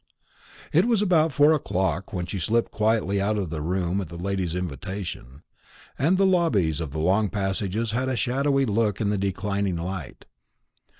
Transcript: It was about four o'clock when she slipped quietly out of the room at that lady's invitation, and the lobbies and long passages had a shadowy look in the declining light.